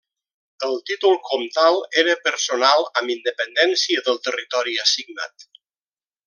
El títol comtal era personal amb independència del territori assignat.